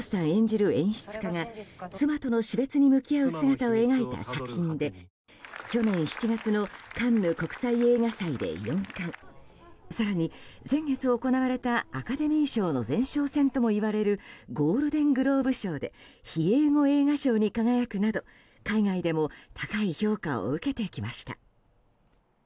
演じる演出家が妻との死別に向き合う姿を描いた作品で去年７月のカンヌ国際映画祭で４冠更に先月行われたアカデミー賞の前哨戦ともいわれるゴールデングローブ賞で非英語映画賞に輝くなど海外でも高い評価を受けてきました。